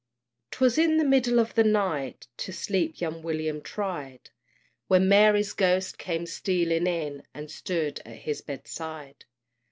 'Twas in the middle of the night, To sleep young William tried, When Mary's ghost came stealing in, And stood at his bedside.